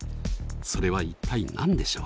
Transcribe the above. それは一体何でしょう？